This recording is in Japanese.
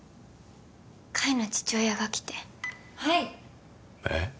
海の父親が来てはいえっ？